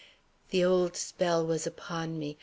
The old spell was upon me.